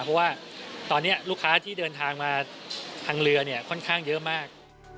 เพราะว่าตอนนี้ลูกค้าที่เดินทางมาทางเรือเนี่ยค่อนข้างเยอะมาก